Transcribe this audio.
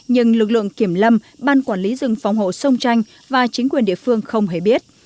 nhưng lực lượng kiểm lâm ban quản lý rừng phòng hộ sông tranh và chính quyền địa phương không hề biết